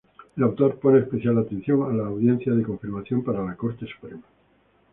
El autor pone especial atención a sus audiencias de confirmación para la Corte Suprema.